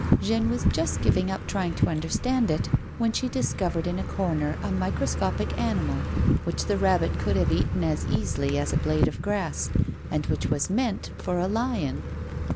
Jeanne was just giving up trying to understand it when she discovered in a corner a microscopic animal, which the rabbit coiild have eaten as easily as a blade of grass, and which was meant for a lion.